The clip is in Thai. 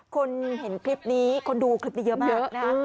คนเห็นคลิปนี้คนดูคลิปนี้เยอะมากนะฮะ